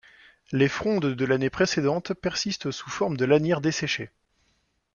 Les frondes de l'année précédente persistent sous forme de lanières desséchées.